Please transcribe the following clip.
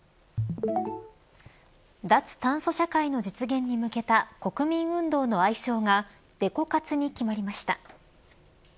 脱炭素社会の実現に向けた国民運動の愛称がデコ活に決まりました。